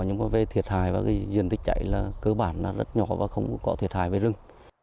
nhưng về thiệt hại và diện tích cháy là cơ bản rất nhỏ và không có thiệt hại về rừng